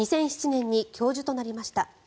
２００７年に教授となりました。